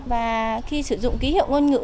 và khi sử dụng ký hiệu ngôn ngữ